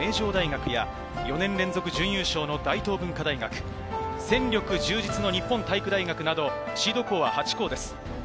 史上２校目の連覇を目指す名古屋の名城大学や、４年連続準優勝の大東文化大学、戦力充実の日本体育大学など、シード校は８校です。